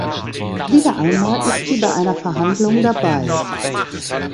Wieder einmal ist sie bei einer Verhandlung dabei.